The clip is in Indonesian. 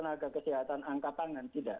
membaca tenaga kesehatan angka tangan tidak